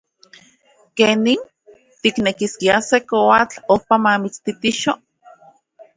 ¡Keni! ¿tiknekiskia se koatl ojpa mamitstitixo?